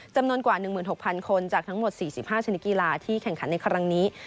จำนวนกว่า๑๖๐๐คนจากทั้งหมด๔๕ชนิดกีฬาที่แข่งขันในครั้งนี้